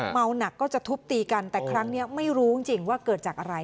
เมาหนักก็จะทุบตีกันแต่ครั้งนี้ไม่รู้จริงว่าเกิดจากอะไร